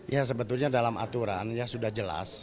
ya sebetulnya dalam aturan ya sudah jelas